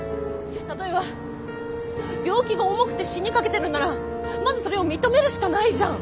例えば病気が重くて死にかけてるんならまずそれを認めるしかないじゃん。